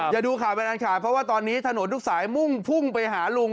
ดูข่าวเป็นอันขาดเพราะว่าตอนนี้ถนนทุกสายมุ่งพุ่งไปหาลุง